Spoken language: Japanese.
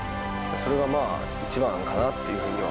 それが一番かなっていうふうには。